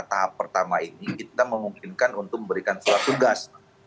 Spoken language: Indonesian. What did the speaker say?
tahap pertama ini kita memungkinkan untuk memberikan surat tugas